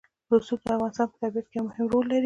رسوب د افغانستان په طبیعت کې یو مهم رول لري.